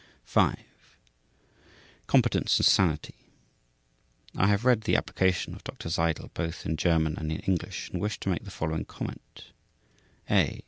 5. Competence and sanity. I have read the application of Dr. Seidl both in German and in English, and wish to make the following comment: _a.